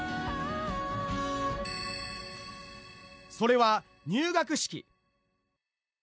それは入学式。